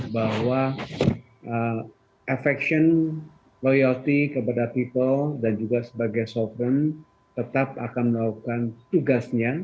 bahwa affection loyalty kepada people dan juga sebagai sovereign tetap akan melakukan tugasnya